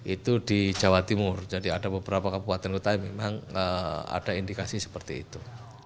itu di jawa timur jadi ada beberapa kabupaten kota yang memang ada indikasi seperti itu